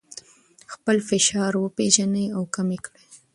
خپل فشار وپیژنئ او کم یې کړئ.